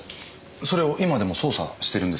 それを今でも捜査してるんですか？